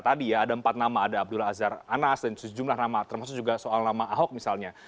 tadi ya ada empat nama ada abdullah azhar anas dan sejumlah nama termasuk juga soal nama ahok misalnya